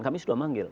kami sudah memanggil